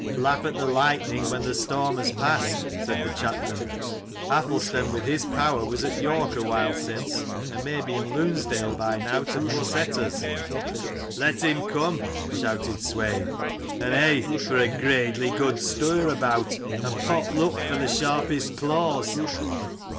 "Laugh at the lightning when the storm has passed," said the chapmen. " Athelstan with his power was at York awhile since, and may be in Lunesdale by now to foreset us." "Let him come!" shouted Swein; "and hey for a gradely good stir about, and pot luck for the sharpest claws!"